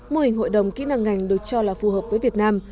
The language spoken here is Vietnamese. mô hình hội đồng kỹ năng ngành được cho là phù hợp với việt nam